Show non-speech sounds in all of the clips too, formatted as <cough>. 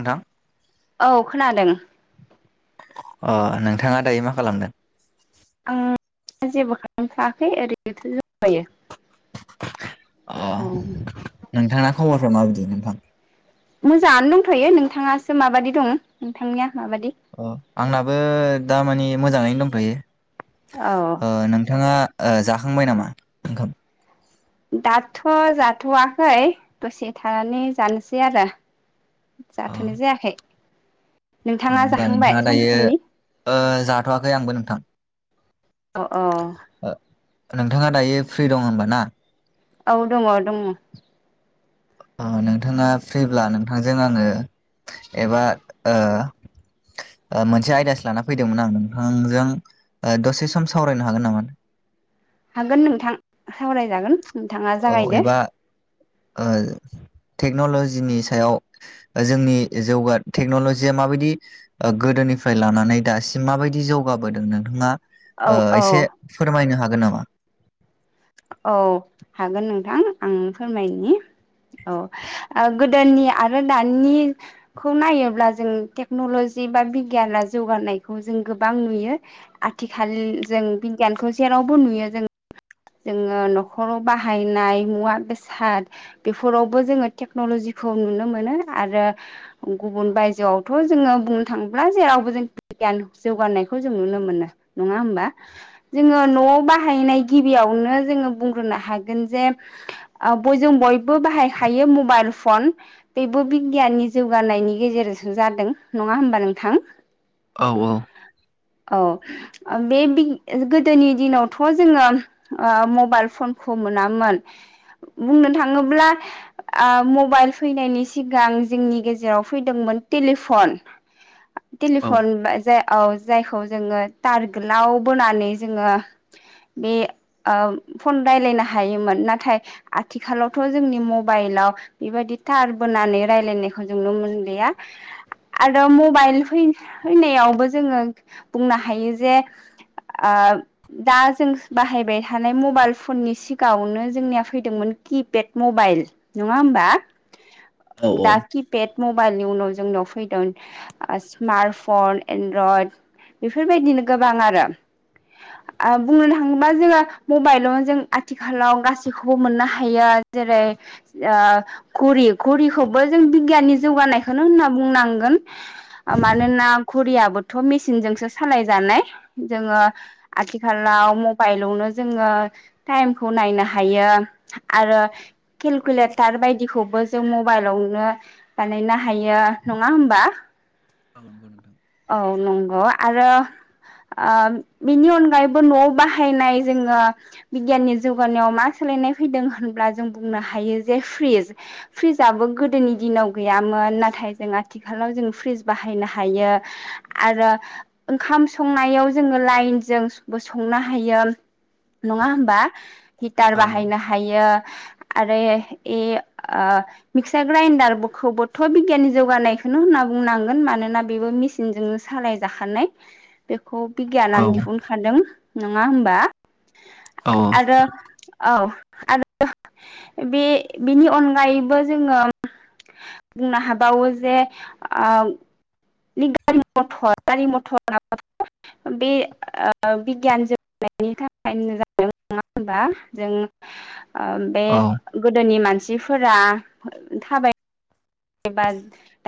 नोंथां औ खोनादों अ नोंथाङा दायो मा खालामदों? आं जेबो खालामथवाखै ओरैनोथ' जायो <unintelligible> अ नोंथाङा खबरफ्रा माबायदि नोंथां मोजाङानो दंथ'यो नोंथाङासो माबायदि दङ नोंथांनिया। माबादि अ आंनाबो दामानि मोजाङैनो दंथ'यो औ ओ नोंथाङा जाखांबाय नामा ओंखाम दाथ' जाथ'वाखै दसे थानानै जानोसै आरो अ जाथ'नाय जायाखै औ नोंथाङा ओमबा जाखांबाय नोंथाङा दायो सानजौफुनि ओ जाथ'वाखै आंबो नोंथां अ अ ओ नोंथाङा दायो फ्रि दं होनबा ना औ दङ दङ अ नोंथाङा फ्रिब्ला नोंथांजों आङो एबा ओ। ओ मोनसे आयदासो लाना फैदोंमोन आं नोंथांजों दसे सम सावरायनो हागोन नामा? <inaudible> हागोन नोंथां सावरायजागोन नोंथाङा औ जागायदो। एबा ओ टेक्न'ल'जिनि सायाव जोंनि जौगा टेक्न'ल'जिया माबायदि गोदो निफ्राय लानानै दासिम माबायदि जौगाबोदों नोंथाङा औ ओ औ एसे फोरमायनो हागोन नामा? औ हागोन नोंथां आं फोरमायनि। औ गोदोनि आरो दानिखौ नायोब्ला जों टेक्न'ल'जि। बिगियाना जौगानायखौ जों गोबां नुयो आथिखाल जों बिगियानखौ जेराव बो नुयो जों जोङो न'खराव बाहायनाय मुवा बेसाद बेफोरावबो जोङो टेक्न'लजि खौ नुनो मोनो आरो गुबुन बायजोआवथ' जोङो बुंनो थाङोब्ला जेरावबो जों गियान जौगानायखौ जों नुनो मोनो नङा ओमबा जोङो न'वाव बाहायनाय गिबियावनो जोङो बुंग्रोनो हागोन जे ओ <unintelligible> बयबो बाहायखायो मबाइल फन बेबो बिगियाननि जौगानायनि गेजेरजोंसो जादों नङा होमबा नोंथां। औ औ। औ बे गोदोनि दिनावथ' जोङो। ओ मबाइल फनखौ मोनामोन बुंनो थाङोब्ला ओ म बाइल फैनायनि सिगां जोंनि गेजेराव फैदोंमोन टेलिफन। <inaudible> औ टेलिफन जे औ जायखौ जोङो टार गोलाव बोनानै जोङो बे ओ फन राय्लायनो हायोमोन नाथाय आथिखालावथ' जोंनि मबाइलाव बेबाय दि‌ थार बोनानै रायज्लायनायखौ जों नुनो मोनलिया आरो मबाइल बै फैना जोङो बुंनो हायो जे दा जों बाहायबाय थानाय मबाइल फननि सिगाङावनो जोंनिया फैदोंमोन किपेड मबाइल नङा होमबा? दा औ किपेट मबाइलनि उनाव जों जोंनाव फैदों स्मार्ट फन एनड्रइड बेफोरबायदिनो गोबां आरो बुंनो थाङोबा जोङो। मबाइलावनो जों आथिखालाव गासैखौबो मोननो हायो जेरै घुरि घरिखौबो जों बिगिनि जौगानायखौनो होनना बुंनांगोन मानोना घरिया याबोथ'मेसिनजोंसो सालाय जानाय जोङो औ आथिलाव मबाइलावनो जोङो टाइमखौ नायनो हायो आरो केलकुलेटार बायदिखौबो। जों मबाइलावनो बानायनो हायो नङा होमबा? औ नंगौ नोंथां औ नंगौ आरो। ओ बिनि अनगायैबो न'आव बाहायनाय जोङो बिगियाननि जौगानायाव मा सोलायनाय फैदों होनब्ला जों बुंनो हायो जे फ्रिज फ्रिजआबो गोदोनि दिनाव गैयामोन नाथाय जों आथिखालाव जों फ्रिज बाहायनो हायो। आरो ओंखाम संनायाव जोङो लाइनजोंबो संनो हायो। नङा होमबा हिटार औ बाहायनो हायो। आरो ए मिक्सार ग्राइडारखौबोथ' बिगियाननि जौगानायखौनो होनना। बुंनांगोन मानोना बेबो मेचनजोंनो सालाय जाखानाय बे खौ औ बिगियानानो दिहुनखादों नङा होमबा? औ आरो औ आरो बे बेनि अनगायैबो जोङो। बुंनो हाबावो जे नों गारि मथर गारि मथराव बे बिगियान जौगानायनि थाखायनो जादों नङा होनबा जों बे गोदोनि मानसिफोरा थाबाय एबा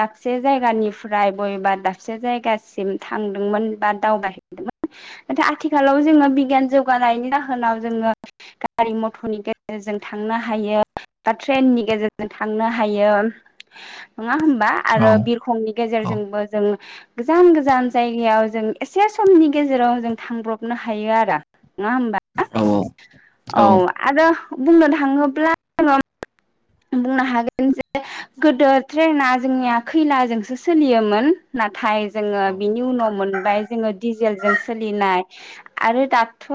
दाबसे जायगानिफ्राय बबेबा दाबसे जायगासिम थांदोंमोन बा दावबायहैदोंमोन नाथाय आथिखालाव जोङो बिगियान जौगानायनि जाहोनाव जोङो गारि मथ'नि गेजेरजों थांनो हायो बा ट्रेननि गेजेरजों थांनो हायो। नङा होमबा आरो बिरखंनि गेजेरजोंबो जों। गोजान गोजान जायगायाव जों एसे समनि गेजेराव जों थांब्रबनो हायो आरो। नङा औ होमबा औ आरो बुंनो थाङोब्ला। बुंनो हागोन जे गोदो ट्रेना जोंनिया खैलाजोंसो सोलियोमोन। नाथाय जोङो बिनि उनाव मोन बाय जोङो दिडिजेलजों सोलिनाय आरो दाथ'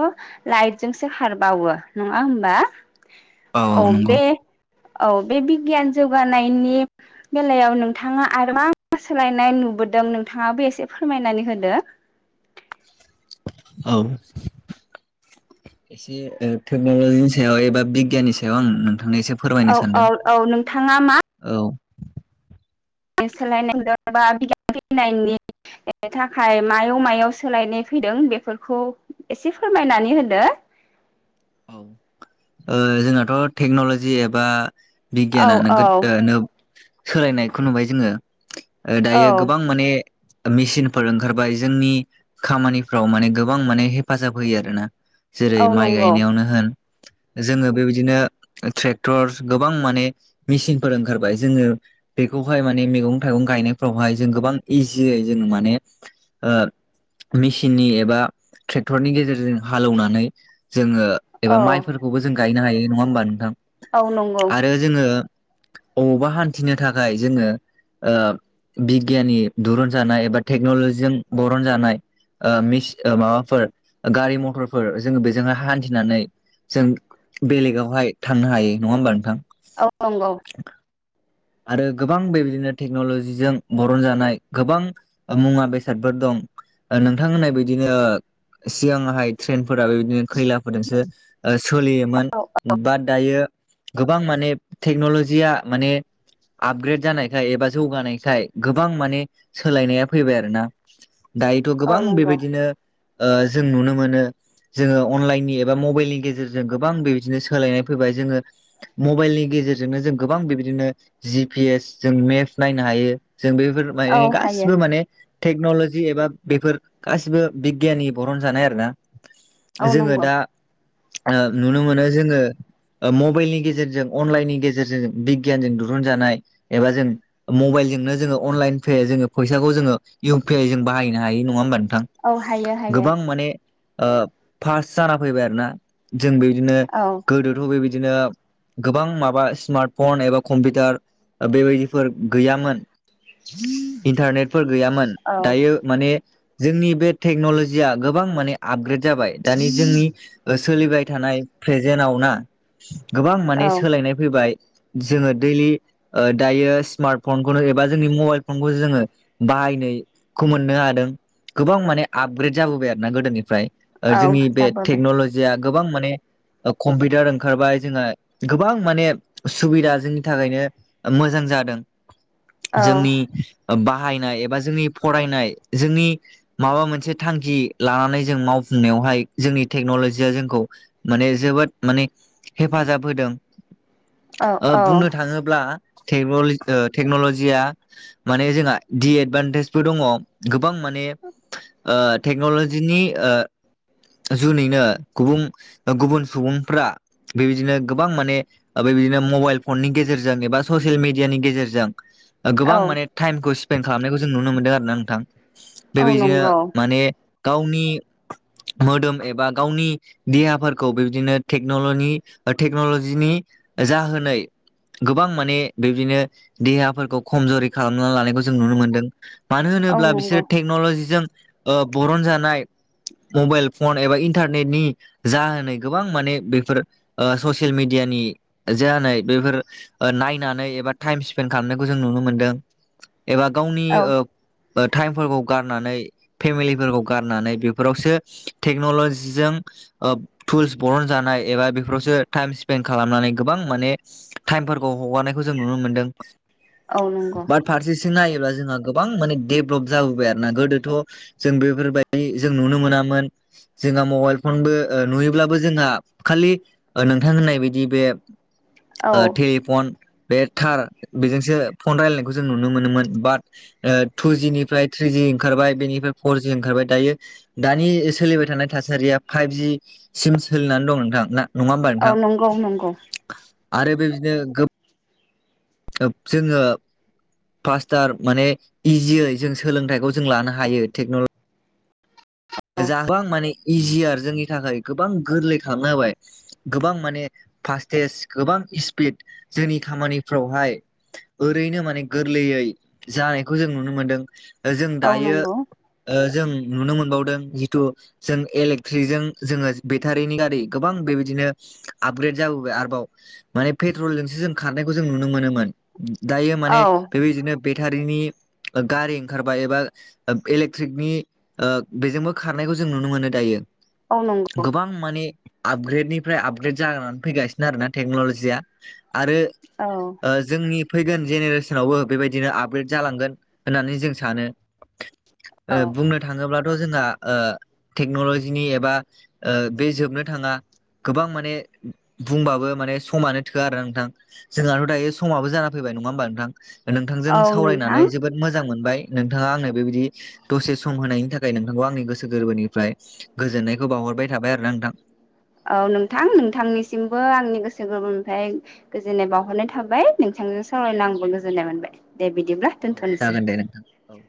लाइटजोंसो खारबावो। नङा होमबा औ बे औ बे बिगियान जौगानायनि बेलायाव नोंथाङा आरो मा मा सोलायनाय नुबो। बोदों नोंथाङाबो एसे फोरमायनानै होदो। औ। एसे टेक्न'लजिनि सायाव एबा बिगियाननि सायाव आं नोंथांनो एसे फोरमायनो औ सानदों औ औ नोंथाङा औ। सोलायनायबा बिगियान फैनायनि थाखाय मायाव मायाव सोलायनाय। फैदों बेफोरखौ एसे फोरमायनानै होदो। <inaudible> ओ जोंनाथ' टेक्न'लजि एबा औ बिगियानानो औ गोनो सोलायनायखौ नुबाय जोङो दायो औ गोबां माने मेसिनफोर ओंखारबाय जोंनि खामानिफ्राव माने गोबां माने हेफाजाब होयो आरो ना। जेरै औ माइ नंगौ गायनायावनो होन जोङो बेबायदिनो ट्रेक्टर गोबां माने मेसिनफोर ओंखारबाय जोङो बे खौहाय माने मैगं थाइगं गायनायफ्रावहाय जों गोबां इजियै जों माने ओ मेसिननि एबा ट्रेक्टरनि गेजेरजों हालौवनानै जोङो एबा औ माइफोरखौबो जों गायनो हायो नङा होमबा नोंथां औ नंगौ आरो जोङो बबावबा हान्थिनो थाखाय जोङो बिगियाननि दुरुन जानाय एबा टेक्न'लजिजों बरनजानाय माबाफोर गारि मथरफोर जो जोङो हान्थिनानै जों बेलेगावहाय थांनो हायो नङा होमबा नोंथां? औ नंगौ आरो गोबां बेबायदिनो टेक्न'लजिजों बरन जानाय गोबां मुवा बेसादफोर दं। नोंथांमोनहा बिदिनो सिगाङाहाय ट्रेन फोर बेदिनो खैलाफोरजोंसो सोलियोमोन औ बाट दायो। गोबां माने टेक्नलजिया माने आपग्रेद जानायखाय एबा जौगानायखाय गोबां माने सोलायनाया फैबाय आरोना। दायोथ' औ गोबां नंगौ बेबायदिनो जों नुनो मोनो। जोङो अनलाइननि एबा मबाइलनि गेजेरजों गोबां बेबायदिनो सोलायनाय फैबाय जोङो मबाइलनि गेजेर। गेजेरजोंनो जों गोबां बेबायदिनो जि पि एस जों मेप नायनो हायो जों बेफोर औ माने हायो गासिबो माने टेक्न'ल'जि एबा बेफोर गासिबो बिगियाननि बरन जानाय आरो ना? औ जोङो नंगौ दा नुनो मोनो जोङो। मबाइलनि गेजेरजों अनलाइननि गेजेरजों बिगियानजों द दिहुन जानाय एबा जों मबाइलजोंनो जोङो अनलाइन पे जोङो फैसाखौ जोङो इउपि आइ जों बाहायनो हायि नङा होमबा नोंथां औ हायो हायो गोबां माने। फास्ट जाना फैबाय आरोना जों बेबायदिनो औ गोदोथ' बेबायदिनो। बिदिनो गोबां माबा स्मार्ट फन एबा कम्पिउटार बेबायदिफोर गैयामोन। इन्टारनेटफोर गैयामोन औ दायो माने जोंनि बे टेक्न'लजिया गोबां माने आपग्रेड जाबाय दानि जोंनि सोलिबाय थानाय प्रेजेनाव ना गोबां माने औ सोलायनाय फैबाय जोङो दैलि दायो स्मार्ट फनखौनो एबा जोंनि मबाइल फनखौसो जोङो बाहायनाय खौ मोननो हादों गोबां माने आपग्रेद जाबोबाय आरो ना गोदोनिफ्राय। औ जोंनि बे जाबोबाय टेक्न'लजिया गोबां माने कम्पिउटार ओंखारबाय जोंहा गोबां माने सुबिदा जोंनि थाखायनो मोजां जादों औ जोंनि बाहायनाय एबा जोंनि फरायनाय जोंनि माबा मोनसे थांखि लानानै जों मावफुंनायाव बेहाय जोंनि टेकनलजिया जोंखौ माने जोबोद माने हेफाजाब होदों। औ औ बुंनो थाङोब्ला टेक्न'लजिया माने जोंहा दिएदभान्टेजबो दङ। गो गोबां माने टेक्नलजिनि जुनैनो गुबुन गुबुन सुबुंफ्रा बेबायदिनो गोबां माने मबाइल फननि गेजेरजों एबा ससियेल मेडियानि गेजेरजों गोबां औ माने टाइमखौ स्पेन खालामनायखौ जों नुनो मोन्दों आरोना नोंथां औ बेबायदिनो नंगौ माने गावनि मोदोम एबा गावनि देहाफोरखौ बिबदिनो टेक्नलनि ओ टेक्नलजिनि जाहोनाय गोबां माने बेदिनो देहाफोरखौ खमज'रि खालामनानै लानायखौ जों नुनो मोनदों। मानो औ होनोब्ला नंगौ बिसोर टेक्न'लजिजों बरनजानाय मबाइल फन एबा इन्टारनेटनि जाहोनै गोबां माने बेफोर ओ ससियेल मेडिया नि जानाय बेफोर नायनानै एबा टाइम स्पेन खालामनायखौ जों नुनो मोनदों। एबा गावनि औ ओ ओ टाइमफोरखौ गारनानै फेमिलिफोरखौ गारनानै बेफोरावसो टेक्न'लजिजों ओ टुल्स बरनजानाय एबा बेफोरावसो टाइम स्पेन्ड खालामनानै गोबां माने टाइमफोरखौ हगारनायखौ जों नुनो मोनदों। औ नंगौ। नायोबा जोंहा गोबां माने डेभेलप जाबोबाय आरोना गोदोथ' जों बेफोर बायदि जों नुनो मोना मोन जोङा मबाइल फनबो ओ नुयोब्लाबो जोंहा खालि नोंथां होननाय बायदि बे औ बे टेलिफन बे थार बेजोंसो फन रायलायनायखौ जों नुनो मोनोमोन बाट टु जिनिफ्राय थ्रि जि ओंखार बेनिफ्राय फर जि ओंखार दायो दानि सोलिबाय थानाय थासारिया फाइभ जि सिम सोलिनानै दं नोंथां ना नङा होमबा औ नोंथां नंगौ नंगौ आरो बेबिदिनो गोब <unintelligible> जोङो फास्टार माने इजियै जों सोलोंथाइखौ जों लानो हायो टेक्न'लजि औ जाहाबो आं माने इजियार जोंनि थाखाय गोबां गोरलै खालामना होबाय गोबां माने फास्टेस् गोबां स्पिड जोंनि खामानिफ्रावहाय ओरैनो माने गोरलैयै जानायखौ जों जों नुनो मोनदों जों औ दायो नंगौ ओ जों नुनो मोनबावदों जिथु जों एलेकट्रिकजों जोङो बेटारिनि गारि गोबां बेबायदिनो आपग्रेड जा जाबोबाय आरोबाव माने पेट्रलजोंसो जों खारनायखौ जों नुनो मोनोमोन। दायो औ माने बेबायदिनो बे टारिनि ओ गारि ओंखारबाय एबा ओ ओ इलेकट्रिकनि बेजोंबो खारनायखौ जों नुनो मोनो दायो औ नंगौ गोबां माने आपग्रेडनिफ्राय आपग्रेड जानानै फैगासिनो आरोना टेक्न'लजिया। आरो औ ओ जोंनि फैगोन जेनेरेसनावबो बेबायदिनो आपग्रेड जालांगोन होननानै जों सानो। ओ औ बुंनो थाङोब्लाथ' जोंहा ओ टेक्न'लजिनि एबा ओ बे जोबनो थाङा गोबां माने बुंबाबो माने समानो थोआ आरोना नोंथां जोंहाथ' दायो समाबो जाना फैबाय नङा होनबा नोंथां। ओ नोंथांजों औ नोंथां सावरायनानै जोबोद मोजां मोनबाय। नोंथाङा आंनो बेबायदि दसे सम होनायनि थाखाय नोंथांखौ आंनि गोसो गोसो गोरबोनिफ्राय गोजोननायखौ बावहरबाय थाबाय आरो ना नोंथां। औ नोंथां नोंथांनिसिमबो आंनि गोसो गोरबोनिफ्राय गोजोननाय बावहरनाय थाबाय नों थांजों सावरायना आंबो गोजोननाय मोनबाय दे बिदिब्ला औ दोनथ'नोसै जागोन दे नोंथां। औ।